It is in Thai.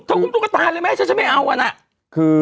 เธออุ้มตุ๊กตาเลยไหมฉันจะไม่เอาอันนั้น